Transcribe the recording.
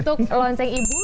untuk lonceng ibu